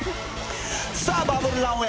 さあバブルランウェイ